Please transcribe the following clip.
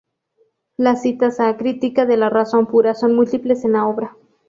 Las citas a "Crítica de la razón pura" son múltiples en la obra.